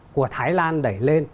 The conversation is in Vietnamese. của thái lan đẩy lên